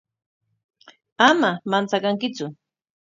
Ama manchakankitsu.